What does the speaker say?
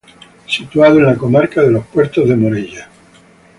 Situado en la comarca de los Puertos de Morella.